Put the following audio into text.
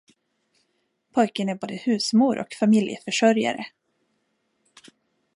Pojken är både husmor och familjeförsörjare.